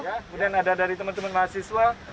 kemudian ada dari teman teman mahasiswa